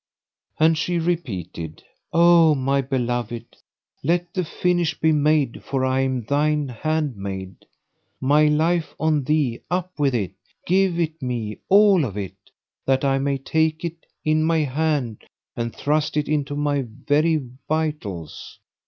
'" And she repeated, "O my beloved, let the finish be made for I am thine handmaid. My life on thee, up with it! give it me, all of it! that I may take it in my hand and thrust it into my very vitals!"